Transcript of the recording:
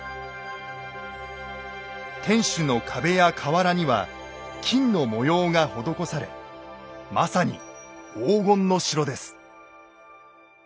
天守の壁や瓦には金の模様が施されまさに黄金の城です。